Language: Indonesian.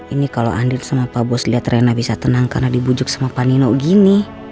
ini kalau andri sama pak bos lihat rena bisa tenang karena dibujuk sama pak nino gini